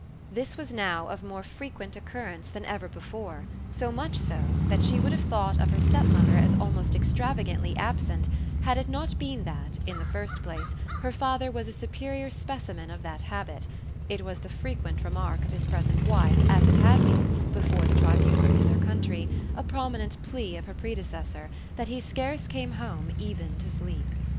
This was now of more frequent occurrence than ever before so much so that she would have thought of her stepmother as almost extravagantly absent had it not been that, in the first place, her father was a superior specimen of that habit: it was the frequent remark of his present wife, as it had been, before the tribunals of their country, a prominent plea of her predecessor, that he scarce came home even to sleep.